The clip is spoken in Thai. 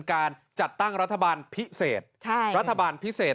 การจัดตั้งรัฐบาลพิเศษรัฐบาลพิเศษ